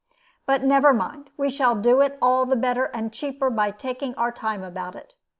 But never mind; we shall do it all the better and cheaper by taking our time about it.